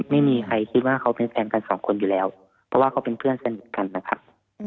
ไม่มีใครคิดว่าเขาเป็นแฟนกันสองคนอยู่แล้วเพราะว่าเขาเป็นเพื่อนสนิทกันนะครับ